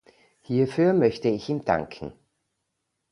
Hierfür möchte ich ihm danken.